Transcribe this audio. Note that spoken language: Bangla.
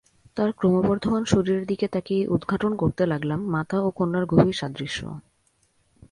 তার ক্রমবর্ধমান শরীরের দিকে তাকিয়ে উদঘাটন করতে লাগলাম মাতা ও কন্যার গভীর সাদৃশ্য।